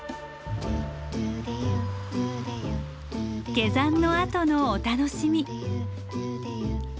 下山のあとのお楽しみ。